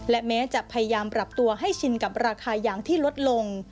และแม้จะยังปลับตัวให้ชินเป็นกับราคาอย่างที่ลดลง